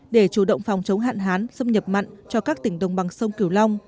để chủ động phòng chống hạn hán xâm nhập mặn cho các tỉnh đồng bằng sông kiều long